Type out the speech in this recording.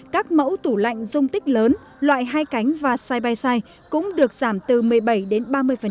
các mẫu tủ lạnh dung tích lớn loại hai cánh và side by side cũng được giảm từ một mươi bảy đến ba mươi